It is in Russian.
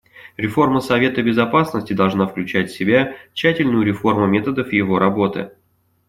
Реформа Совета Безопасности должна включать в себя тщательную реформу методов его работы.